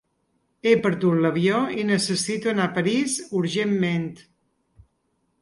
He perdut l'avió i necessito anar a París urgentment.